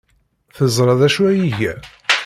Teẓra d acu ay iga?